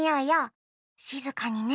しずかにね。